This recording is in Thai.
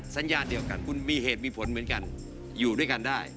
สัญญาเดียวกันคุณมีเหตุมีผลเหมือนกันอยู่ด้วยกันได้